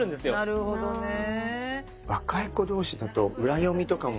なるほどねえ。